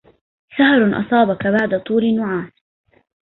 سهر أصابك بعد طول نعاس